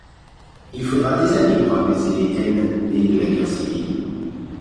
Il faudra des années pour apaiser les haines nées de la guerre civile.